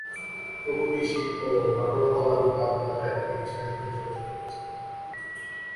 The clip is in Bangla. প্রগতিশীল ও মানবতাবাদী ভাবধারায় তিনি সাহিত্যচর্চা করেছেন।